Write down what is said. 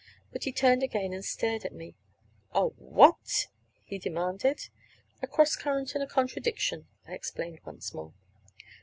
But he turned again and stared at me. "A what?" he demanded. "A cross current and a contradiction," I explained once more.